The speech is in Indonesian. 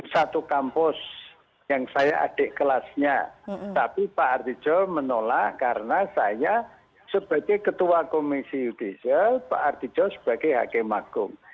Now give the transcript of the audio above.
satu kampus yang saya adik kelasnya tapi pak artijo menolak karena saya sebagai ketua komisi yudisial pak artijo sebagai hakim agung